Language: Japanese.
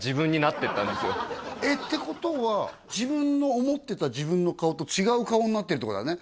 てことは自分の思ってた自分の顔と違う顔になってるってことだね